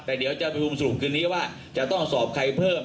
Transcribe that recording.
แต่เดี๋ยวจะประชุมสรุปคืนนี้ว่าจะต้องสอบใครเพิ่ม